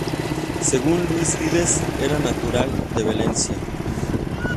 Según Luis Vives, era natural de Valencia.